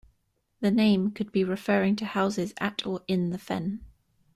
The name could be referring to houses at or in the fen.